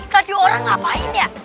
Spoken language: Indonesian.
tadi orang ngapain ya